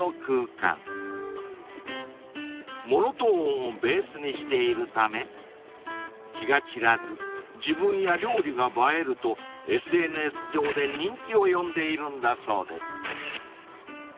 ［モノトーンをベースにしているため気が散らず自分や料理が映えるとＳＮＳ上で人気を呼んでいるんだそうです］